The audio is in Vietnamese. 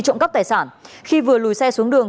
trộm cắp tài sản khi vừa lùi xe xuống đường